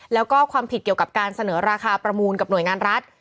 แล้วก็ความผิดเกี่ยวกับการเสนอราคาประมูลกับหน่วยงานรัฐ